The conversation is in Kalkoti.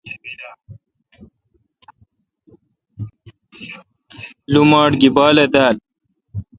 لوماٹ گی بالہ دال